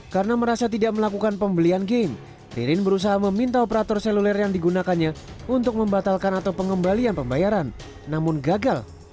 karena merasa tidak melakukan pembelian game ririn berusaha meminta operator seluler yang digunakannya untuk membatalkan atau pengembalian pembayaran namun gagal